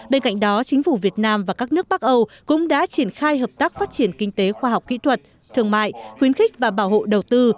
bên cạnh đó chính phủ việt nam và các nước bắc âu cũng đã triển khai hợp tác phát triển kinh tế khoa học kỹ thuật thương mại khuyến khích và bảo hộ đầu tư